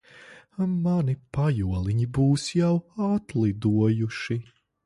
Mani pajoliņi būs jau atlidojuši.